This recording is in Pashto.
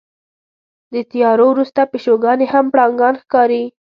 د تیارو وروسته پیشوګانې هم پړانګان ښکاري.